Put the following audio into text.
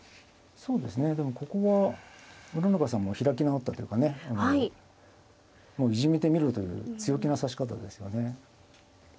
そうですねでもここは村中さんも開き直ったというかねもういじめてみろという強気な指し方ですよね。